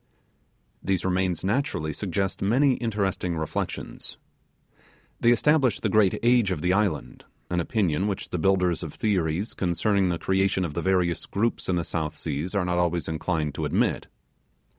These remains naturally suggest many interesting reflections. They establish the great age of the island, an opinion which the builders of theories concerning, the creation of the various groups in the South Seas are not always inclined to admit.